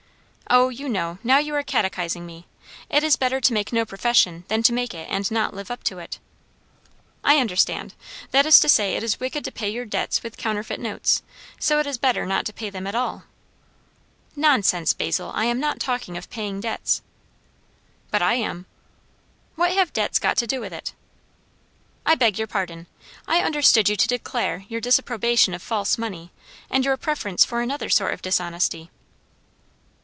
"O, you know. Now you are catechizing me. It is better to make no profession, than to make it and not live up to it." "I understand. That is to say, it is wicked to pay your debts with counterfeit notes, so it is better not to pay them at all." "Nonsense, Basil! I am not talking of paying debts." "But I am." "What have debts got to do with it?" "I beg your pardon. I understood you to declare your disapprobation of false money, and your preference for another sort of dishonesty."